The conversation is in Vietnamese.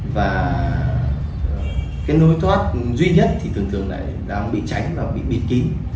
và cái nối thoát duy nhất thì thường thường là đang bị cháy và bị bịt kín